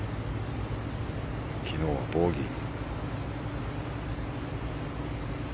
昨日はボギー。